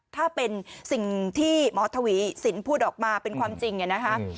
ถ้าเป็นสิ่งที่หมอทวีสินพูดออกมาเป็นความจริงเนี่ยนะคะ